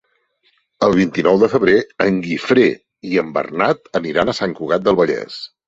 El vint-i-nou de febrer en Guifré i en Bernat aniran a Sant Cugat del Vallès.